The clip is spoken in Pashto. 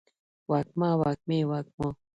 وږمه، وږمې ، وږمو